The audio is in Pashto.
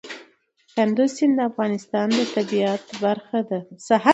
کندز سیند د افغانستان د طبیعت برخه ده.